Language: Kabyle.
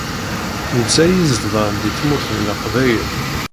Netta i izedɣen di Tmurt n Leqbayel.